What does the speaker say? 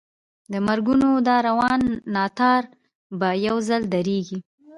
د مرګونو دا روان ناتار به یو ځل درېږي.